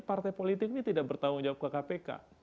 partai politik ini tidak bertanggung jawab ke kpk